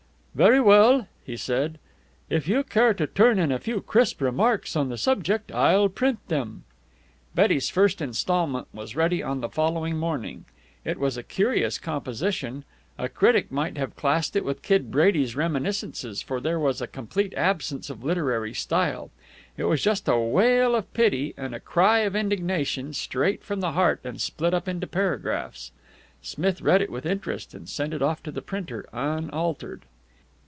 "Very well," he said. "If you care to turn in a few crisp remarks on the subject, I'll print them." Betty's first instalment was ready on the following morning. It was a curious composition. A critic might have classed it with Kid Brady's reminiscences, for there was a complete absence of literary style. It was just a wail of pity, and a cry of indignation, straight from the heart and split up into paragraphs. Smith read it with interest, and sent it off to the printer unaltered.